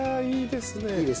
いいですね。